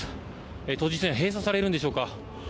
当日は閉鎖されるんでしょうか。